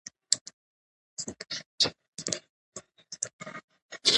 د قانون حاکمیت د ټولنې د نظم او عدالت د ساتلو وسیله ده